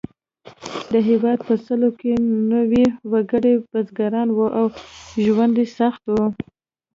د هېواد په سلو کې نوي وګړي بزګران وو او ژوند یې سخت و.